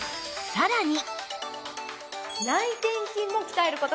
さらに。